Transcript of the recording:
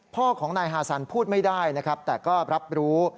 พ่อของนายฮาซันพูดไม่ได้นะครับแต่ก็รับรู้